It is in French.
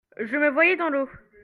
je me voyais dans l'eau.